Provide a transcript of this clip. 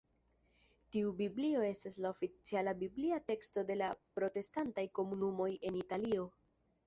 Tiu Biblio estas la oficiala biblia teksto de la protestantaj komunumoj en Italio.